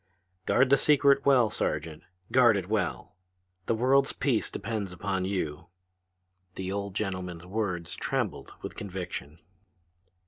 "Guard the secret well, Sergeant! Guard it well! The world's peace depends upon you!" The old gentleman's words trembled with conviction.